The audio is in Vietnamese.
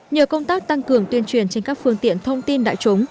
nhờ công tác tăng cường tuyên truyền trên các phương tiện thông tin đại chúng